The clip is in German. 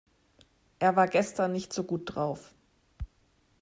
Er war gestern nicht so gut drauf.